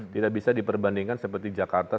tidak bisa diperbandingkan seperti jakarta